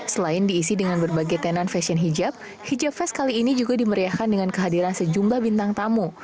selain diisi dengan berbagai tenan fashion hijab hijab fest kali ini juga dimeriahkan dengan kehadiran sejumlah bintang tamu